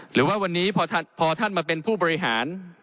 หรือว่าวันนี้พอท่านมาเป็นผู้บริหาร